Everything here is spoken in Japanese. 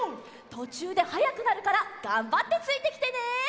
とちゅうではやくなるからがんばってついてきてね。